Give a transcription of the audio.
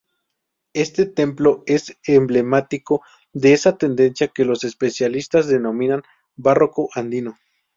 Este templo es emblemático de esa tendencia que los especialistas denominan "Barroco Andino".